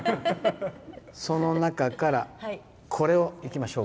その中から、これいきましょう。